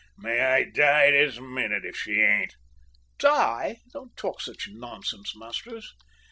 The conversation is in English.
May I die this minute if she ain't!" "Die! don't talk such nonsense, Masters."